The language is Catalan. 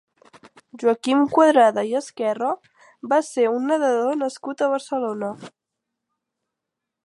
Joaquim Cuadrada i Esquerra va ser un nedador nascut a Barcelona.